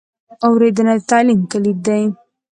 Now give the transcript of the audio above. اورېدنه د تعلیم کلید دی.